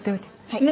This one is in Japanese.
はい。